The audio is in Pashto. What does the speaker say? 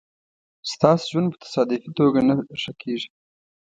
ستاسو ژوند په تصادفي توګه نه ښه کېږي.